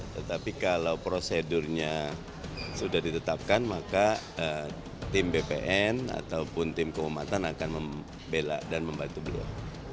tetapi kalau prosedurnya sudah ditetapkan maka tim bpn ataupun tim keumatan akan membela dan membantu beliau